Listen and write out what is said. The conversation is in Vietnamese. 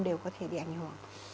đều có thể bị ảnh hưởng